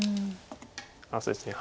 そうですね